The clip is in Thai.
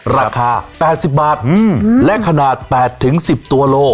ราคาแปดสิบบาทอืมและขนาดแปดถึงสิบตัวโล